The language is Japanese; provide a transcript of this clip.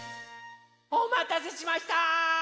おまたせしました！